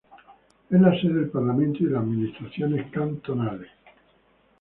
Es la sede del parlamento y de la administración cantonales.